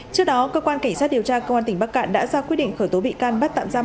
trước đó cơ quan cảnh sát điều tra công an tỉnh bắc cạn đã ra quyết định khởi tố bị can bắt tạm giam